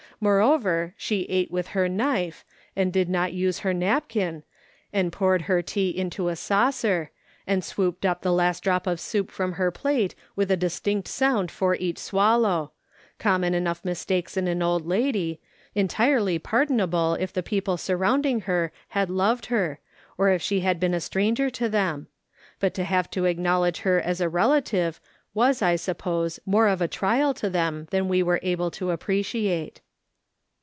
^lore over, she ate with her knife, and did not use her napkin, and poured her tea into a saucer, and swooped up the last drop of soup from her plate with a distinct sound for each swallow — common enough mistakes in an old lady ; entirely pardonable if the people surrounding her had loved her, or if she had been a stranger to them ; but to have to acknowledge her as a relative was, I suppose, more of a trial to them than we were able to appreciate.